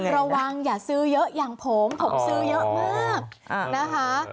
ระวังอย่าซื้อเยอะอย่างผมผมซื้อเยอะมากนะคะ